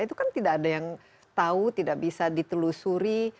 itu kan tidak ada yang tahu tidak bisa ditelusuri